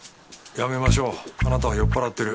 やめましょうあなたは酔っ払ってる。